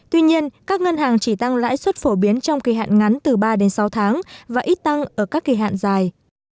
tuy nhiên các ngân hàng chỉ tăng lãi suất phổ biến trong kỳ hạn ngắn từ ba đến sáu tháng và ít tăng ở các kỳ hạn dài